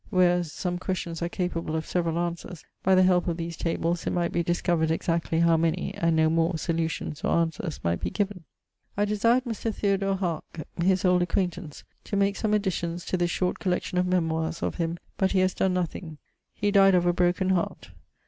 whereas some questions are capable of severall answers, by the help of these tables it might be discovered exactly how many, and no more, solutions, or answers, might be given. I desired Mr. Theodore Haake, his old acquaintance, to make some additions to this short collection of memoires of him, but he haz donne nothing. He dyed of a broaken heart.